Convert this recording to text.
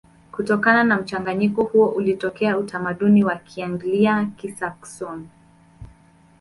Kutokana na mchanganyiko huo ulitokea utamaduni wa Kianglia-Kisaksoni.